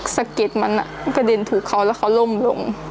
สะเก็ดมันกระเด็นถือเขาแล้วเขาล่มลง